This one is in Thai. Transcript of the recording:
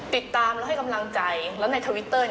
ติดตามแล้วให้กำลังใจแล้วในทวิตเตอร์